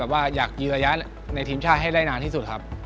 ว่าอยากยืนระยะในทีมชาติให้ได้นานที่สุดครับ